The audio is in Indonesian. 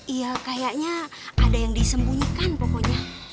iya kayaknya ada yang disembunyikan pokoknya